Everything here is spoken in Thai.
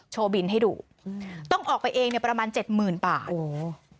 โชว์บินให้ดูต้องออกไปเองเนี่ยประมาณ๗หมื่นบาท